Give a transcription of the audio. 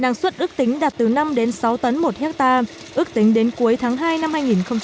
năng suất ước tính đạt từ năm sáu tấn một hectare ước tính đến cuối tháng hai năm hai nghìn một mươi bảy